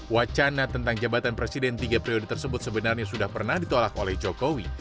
wacana tentang jabatan presiden tiga periode tersebut sebenarnya sudah pernah ditolak oleh jokowi